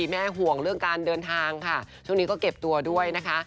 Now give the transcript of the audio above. แม่ห่วงเรื่องการเดินทางค่ะช่วงนี้ก็เก็บตัวด้วยนะคะ